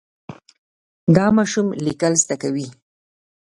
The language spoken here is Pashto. دا ماشوم لیکل زده کوي.